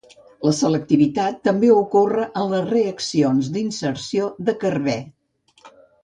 La selectivitat també ocorre en les reaccions d'inserció de carbè.